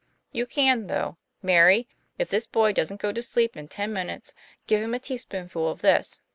'You can, though. Mary, if this boy doesn't go to sleep in ten minutes, give him a teaspoonful of this.